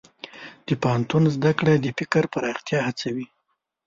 د پوهنتون زده کړه د فکر پراختیا هڅوي.